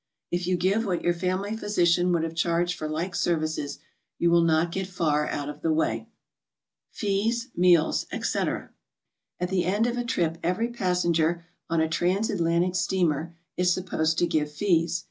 If you give what your family physician would have charged for like services, you will not get far out of the way. FEES, MEALS, BTC. At the end of a trip every passenger on a trans Atlantic steamer is supposed to give fees.